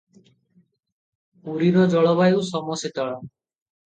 ପୁରୀର ଜଳବାୟୁ ସମଶୀତଳ ।